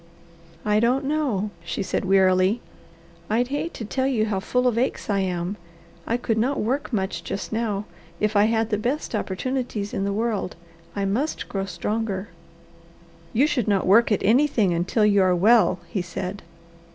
"I don't know," she said wearily. "I'd hate to tell you how full of aches I am. I could not work much just now, if I had the best opportunities in the world. I must grow stronger." "You should not work at anything until you are well," he said.